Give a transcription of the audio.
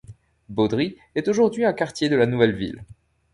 Beaudry est aujourd'hui un quartier de la nouvelle ville.